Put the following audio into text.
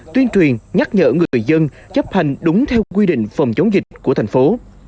tuyên truyền nhắc nhở người dân chấp hành đúng theo quy định phòng chống dịch của thành phố